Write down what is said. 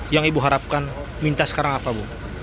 yang ibu harapkan minta sekarang apa bu